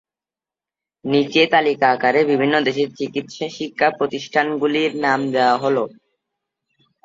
নিচে তালিকা আকারে বিভিন্ন দেশের চিকিৎসা শিক্ষা প্রতিষ্ঠানগুলির নাম দেয়া হল।